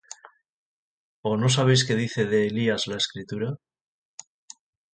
¿O no sabéis qué dice de Elías la Escritura?